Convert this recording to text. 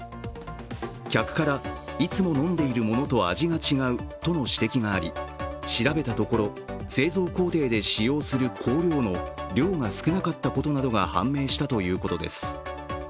客からいつも飲んでいるものと味が違うとの指摘があり、調べたところ製造工程で使用する香料の量が少なかったことなどが判明したということです。